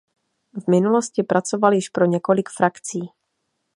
V minulosti pracoval již pro několik frakcí.